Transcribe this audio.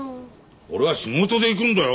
俺は仕事で行くんだよ。